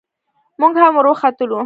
موږ هم ور وختلو.